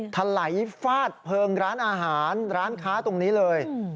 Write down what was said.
ถลายฟาดเพลิงร้านอาหารร้านค้าตรงนี้เลย